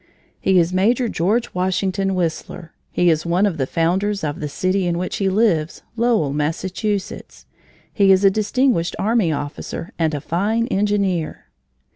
"He is Major George Washington Whistler. He is one of the founders of the city in which he lives, Lowell, Massachusetts. He is a distinguished army officer and a fine engineer."